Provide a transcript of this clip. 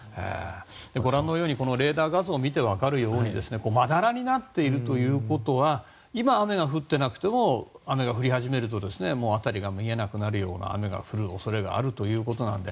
ご覧のようにレーダー画像を見て分かるようにまだらになっているということは今、雨が降っていなくても雨が降り始めると辺りが見えなくなるような雨が降る恐れがあるということなので。